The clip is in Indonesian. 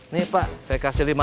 nih pak saya kasih lima